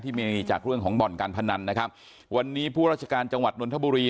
มีจากเรื่องของบ่อนการพนันนะครับวันนี้ผู้ราชการจังหวัดนทบุรี